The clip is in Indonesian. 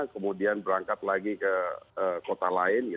kemudian berangkat lagi ke kota lain